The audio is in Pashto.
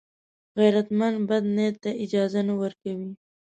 غیرتمند بد نیت ته اجازه نه ورکوي